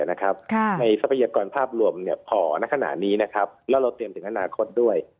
ทรัพยากรภาพรวมพอณขณะนี้แล้วเราเตรียมถึงอนาคตด้วย